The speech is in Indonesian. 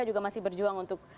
juga masih berjuang untuk